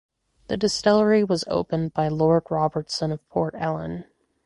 The distillery was opened by Lord Robertson of Port Ellen.